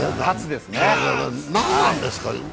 何なんですか？